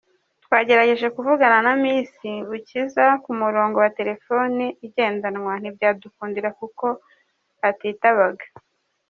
Twagerageje kuvugana na Miss Bukiza ku murongo wa telefoni igendanwa, ntibyadukundira kuko atitabaga.